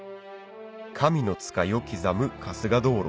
神の使いを刻む春日燈籠